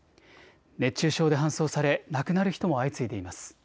熱中症で搬送され亡くなる人も相次いでいます。